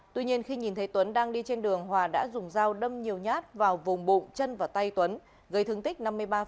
tuy nhiên khi nhìn thấy tuấn đang đi trên đường hòa đã dùng dao đâm nhiều nhát vào vùng bụng chân và tay tuấn gây thương tích năm mươi ba